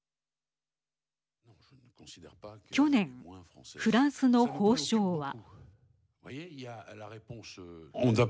去年、フランスの法相は。